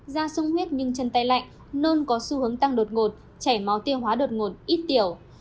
da sung huyết nhưng chân tay lạnh nên có xu hướng tăng đột ngột chảy máu tiêu hóa đột ngột ít tiểu